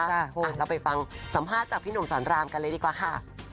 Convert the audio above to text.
เราไปฟังสัมภาษณ์จากพี่หนุ่มสอนรามกันเลยดีกว่าค่ะ